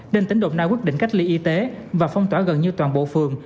nên tỉnh đồng nai quyết định cách ly y tế và phong tỏa gần như toàn bộ phường